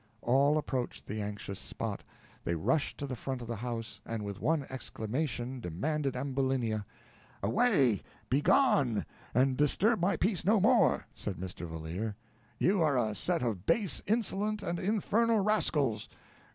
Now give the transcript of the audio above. All approached the anxious spot; they rushed to the front of the house and, with one exclamation, demanded Ambulinia. "Away, begone, and disturb my peace no more," said Mr. Valeer. "You are a set of base, insolent, and infernal rascals.